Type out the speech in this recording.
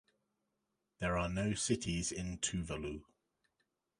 There are no cities in Tuvalu.